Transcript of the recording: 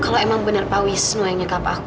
kalau emang bener pak wisnu yang nyekap aku